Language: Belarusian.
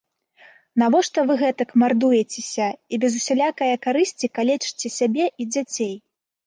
Навошта вы гэтак мардуецеся і без усялякае карысці калечыце сябе і дзяцей?